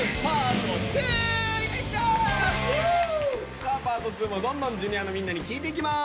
さあパート２もどんどんＪｒ．のみんなに聞いていきます！